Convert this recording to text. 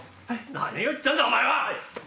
何言ってんだお前は！